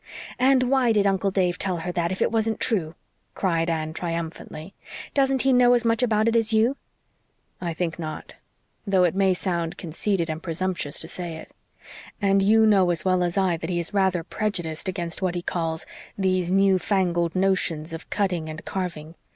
"And why did Uncle Dave tell her that, if it wasn't true?" cried Anne, triumphantly. "Doesn't he know as much about it as you?" "I think not though it may sound conceited and presumptuous to say it. And you know as well as I that he is rather prejudiced against what he calls 'these new fangled notions of cutting and carving.'